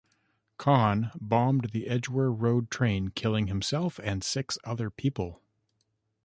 Khan bombed the Edgware Road train killing himself and six other people.